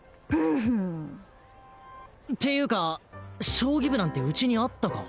フフンっていうか将棋部なんてうちにあったか？